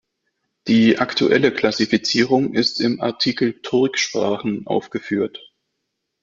Die aktuelle Klassifizierung ist im Artikel Turksprachen aufgeführt.